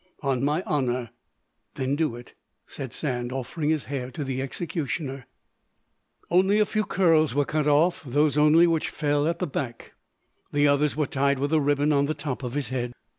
"On my honour." "Then do it," said Sand, offering his hair to the executioner. Only a few curls were cut off, those only which fell at the back, the others were tied with a ribbon on the top of the head.